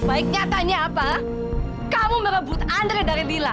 sebaiknya tanya apa kamu merebut andre dari lila